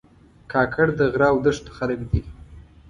کاکړ د غره او دښتو خلک دي.